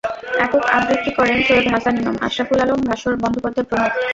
একক আবৃত্তি করেন সৈয়দ হাসান ইমাম, আশরাফুল আলম, ভাস্বর বন্দ্যোপাধ্যায় প্রমুখ।